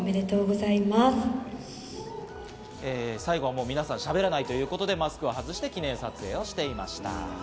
最後は皆さん、しゃべらないということで、マスクを外して記念撮影をしていました。